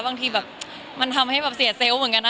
บางทีแบบมันทำให้แบบเสียเซลล์เหมือนกันนะ